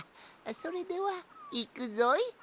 それではいくぞい。